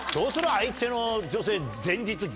相手の女性前日。